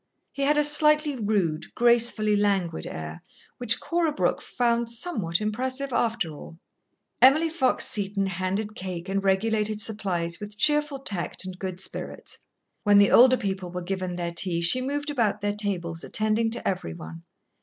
He had a slightly rude, gracefully languid air, which Cora Brooke found somewhat impressive, after all. Emily Fox Seton handed cake and regulated supplies with cheerful tact and good spirits. When the older people were given their tea, she moved about their tables, attending to every one.